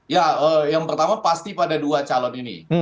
ya yang pertama pasti pada dua calon ini